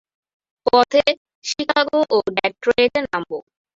পথে চিকাগো ও ডেট্রয়েটে নামব।